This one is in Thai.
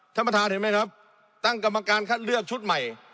ท่านประธานเห็นไหมครับตั้งกรรมการคัดเลือกชุดใหม่